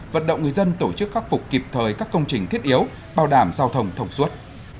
vận động người dân tổ chức khắc phục kịp thời các công trình thiết yếu bảo đảm giao thông thông suốt